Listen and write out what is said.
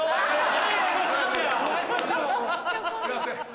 すいません。